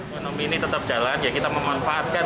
ekonomi ini tetap jalan ya kita memanfaatkan